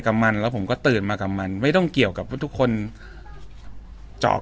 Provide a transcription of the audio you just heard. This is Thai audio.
กับมันแล้วผมก็ตื่นมากับมันไม่ต้องเกี่ยวกับว่าทุกคนเจาะ